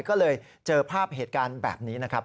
ก็เลยเจอภาพเหตุการณ์แบบนี้นะครับ